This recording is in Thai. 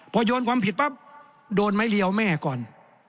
พอโยนความผิดปั๊บโดนไม้เรียวแม่ก่อน